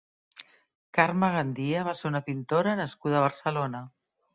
Carme Gandia va ser una pintora nascuda a Barcelona.